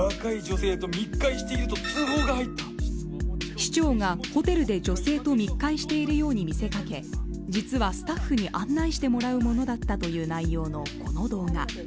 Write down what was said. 市長がホテルで女性と密会しているように見せかけ、実はスタッフに案内してもらうものだったという内容のこの動画。